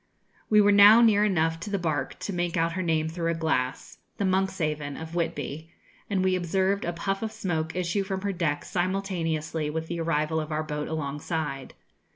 We were now near enough to the barque to make out her name through a glass the 'Monkshaven,' of Whitby and we observed a puff of smoke issue from her deck simultaneously with the arrival of our boat alongside.